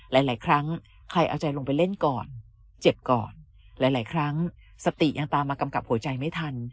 หลายครั้งใครเอาใจลงไปเล่นก่อนเจ็บก่อนหลายครั้งสติยังตามมากำกับหัวใจไม่ทัน